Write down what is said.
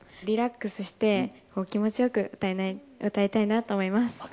リラックスして気持ちよく歌いたいなと思います。